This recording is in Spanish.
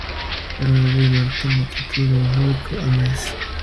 El nuevo imán tomó el título honorífico an-Nasir Ahmad.